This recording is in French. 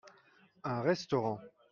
Un restaurant.